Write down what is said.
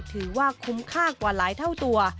ถือว่าคุ้มค่ากว่าหลายเท่าตัว